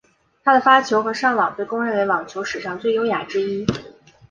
他的发球和上网被公认为网球史上最优雅之一。